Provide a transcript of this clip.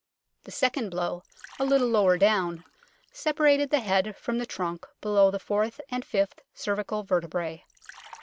The second blow, a little lower down, separated the head from the trunk below the fourth and fifth cervical verte brae.